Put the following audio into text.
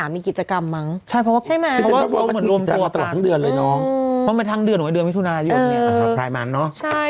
ผิดจากกรรมมั้งเพราะว่าเอาหยัดมาร้างภายมันเนี่ย